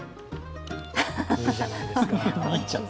見入っちゃった。